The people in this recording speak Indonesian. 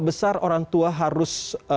besar orang tua harus